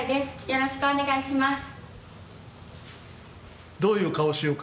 よろしくお願いします。